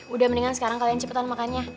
udah mendingan sekarang kalian cepetan makannya